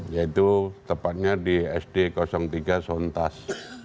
ya itu tepatnya di sd tiga sontas